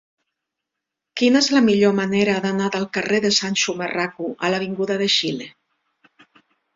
Quina és la millor manera d'anar del carrer de Sancho Marraco a l'avinguda de Xile?